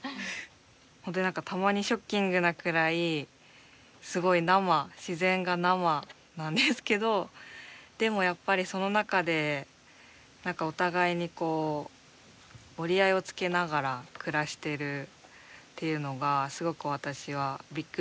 本当に何かたまにショッキングなくらいすごい生自然が生なんですけどでもやっぱりその中で何かお互いにこう折り合いをつけながら暮らしてるっていうのがすごく私はびっくりしたし。